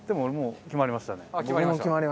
僕も決まりました。